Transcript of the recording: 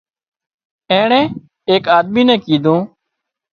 اينڻي ايڪ آۮمِي نين ڪيڌون